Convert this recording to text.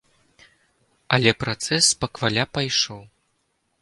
Але працэс спакваля пайшоў.